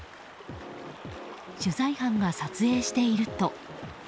取材班が撮影していると。